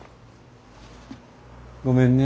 ごめんね。